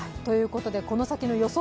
この先の予想